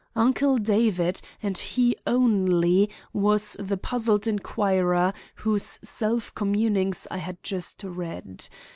Uncle David, and he only, was the puzzled inquirer whose self communings I had just read.